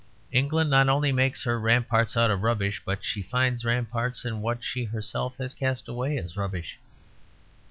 England not only makes her ramparts out of rubbish, but she finds ramparts in what she has herself cast away as rubbish.